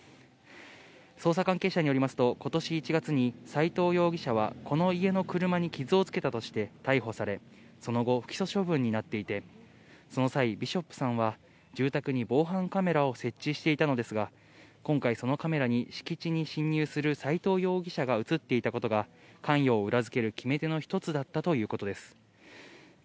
捜査関係者によりますと、ことし１月に斎藤容疑者はこの家の車に傷をつけたとして逮捕され、その後、不起訴処分になっていて、その際、ビショップさんは住宅に防犯カメラを設置していたのですが、今回、そのカメラに敷地に侵入する斎藤容疑者が写っていたことが、関与を裏付ける決め手の一つだったということです。